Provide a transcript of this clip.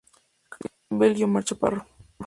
Kristen Bell y Omar Chaparro.